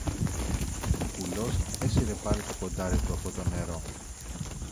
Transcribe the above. Ο κουλός έσυρε πάλι το κοντάρι του από το νερό